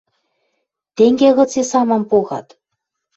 «Тенге гыце самым погат?..